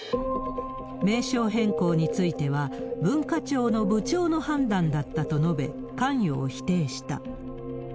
名称変更については、文化庁の部長の判断だったと述べ、関与を否定した。